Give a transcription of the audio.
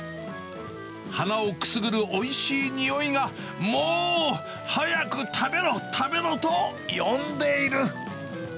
鼻をくすぐるおいしい匂いが、もう、早く食べろ食べろと呼んでいる！